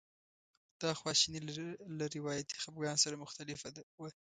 دا خواشیني له روایتي خپګان سره مختلفه وه.